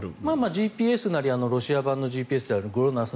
ＧＰＳなりロシア版のＧＰＳであるＧＬＯＮＡＳＳ